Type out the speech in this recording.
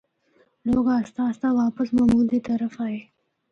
لوگ آستہ آستہ واپس معمول دی طرف آئے۔